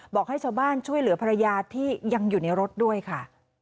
บอกให้ชาวบ้านช่วยเหลือภรรยาที่ยังอยู่ในรถด้วยค่ะ